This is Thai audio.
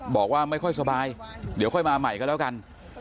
บอกว่าไม่ค่อยสบายเดี๋ยวค่อยมาใหม่ก็แล้วกัน